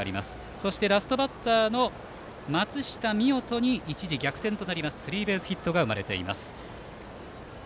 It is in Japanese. そしてラストバッターの松下水音に一時逆転となるスリーベースヒットが生まれています。